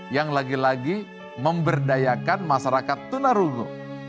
yang lagi lagi memberdayakan masyarakat tunarungu